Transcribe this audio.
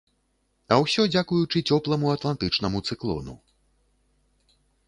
А ўсё дзякуючы цёпламу атлантычнаму цыклону.